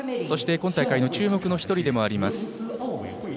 そして今大会の注目の１人でもあります